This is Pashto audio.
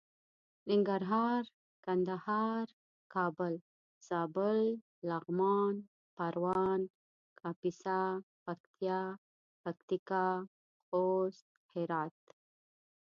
ننګرهار کندهار کابل زابل لغمان پروان کاپيسا پکتيا پکتيکا خوست هرات